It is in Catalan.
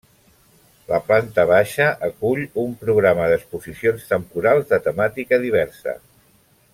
La planta baixa acull un programa d’exposicions temporals de temàtica diversa.